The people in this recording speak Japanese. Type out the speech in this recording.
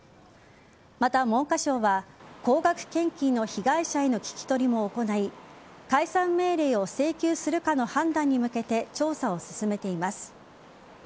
また、文科省は高額献金の被害者への聞き取りも行い解散命令を請求するかの判断に向けて調査を進めています。